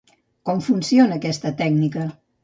Com funciona aquesta tècnica?